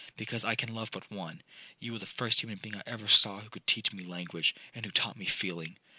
—'Because I can love but one. You were the first human being I ever saw who could teach me language, and who taught me feeling.